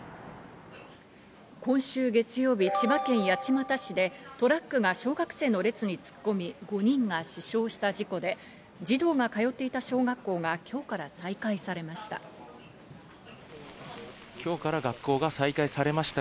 今週月曜日、千葉県八街市でトラックが小学生の列に突っ込み、５人が死傷した事故で、児童が通っていた小学校が今日から再開されました。